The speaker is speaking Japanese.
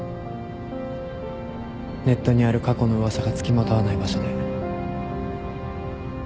ネットにある過去の噂が付きまとわない場所で。